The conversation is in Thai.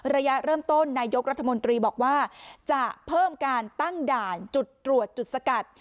ระยะเริ่มต้นนายกรัฐมนตรีบอกว่าจะเพิ่มการตั้งด่านจุดตรวจจุดสกัด